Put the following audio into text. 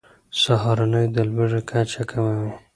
سهارنۍ د لوږې کچه کموي.